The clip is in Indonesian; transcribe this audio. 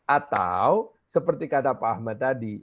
atau seperti kata pak ahmad tadi